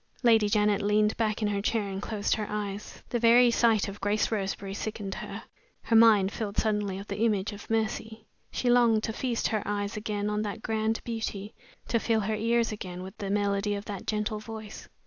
Lady Janet leaned back in her chair and closed her eyes. The very sight of Grace Roseberry sickened her. Her mind filled suddenly with the image of Mercy. She longed to feast her eyes again on that grand beauty, to fill her ears again with the melody of that gentle voice.